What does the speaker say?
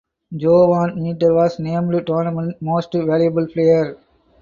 Joe Van Meter was named Tournament Most Valuable Player.